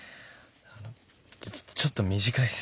あのちょっと短いです。